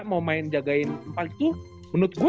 mau main jagain empat itu menurut gue